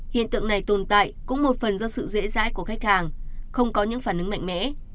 hiện tượng này tồn tại cũng một phần do sự dễ dãi của khách hàng không có những phản ứng mạnh mẽ